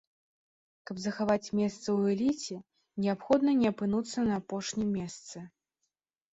Каб захаваць месца ў эліце, неабходна не апынуцца на апошнім месцы.